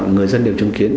người dân đều chứng kiến